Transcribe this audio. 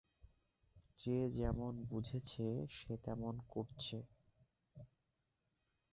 যে যেমন বুঝেছে, সে তেমন করছে।